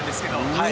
はい。